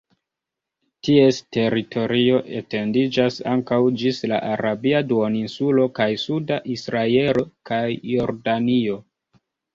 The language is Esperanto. Ties teritorio etendiĝas ankaŭ ĝis la Arabia duoninsulo kaj suda Israelo kaj Jordanio.